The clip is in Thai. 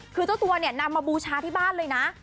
คือเจ้าตัวเนี่ยนำมาบูชาที่บ้านเลยนะ